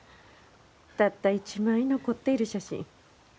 たった一枚残っている写真。